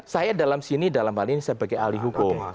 saya dalam sini dalam hal ini sebagai ahli hukum